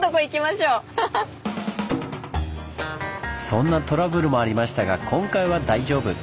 そんなトラブルもありましたが今回は大丈夫！